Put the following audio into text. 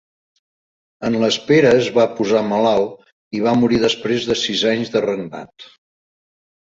En l'espera es va posar malalt i va morir després de sis anys de regnat.